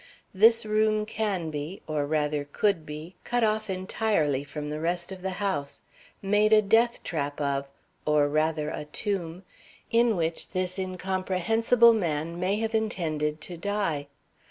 This room can be, or rather could be, cut off entirely from the rest of the house; made a death trap of, or rather a tomb, in which this incomprehensible man may have intended to die.